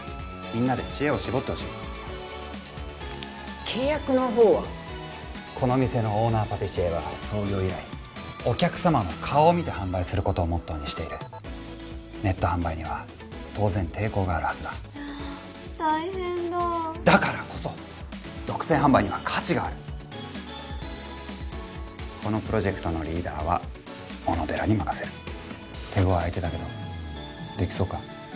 みんなで知恵を絞ってほしい契約の方はこの店のオーナーパティシエは創業以来お客様の顔を見て販売することをモットーにしているネット販売には当然抵抗があるはずだ大変だだからこそ独占販売には価値があるこのプロジェクトのリーダーは小野寺に任せる手ごわい相手だけどできそうか？